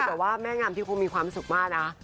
แต่ว่าแม่งามที่คงมีความสุขมากนะ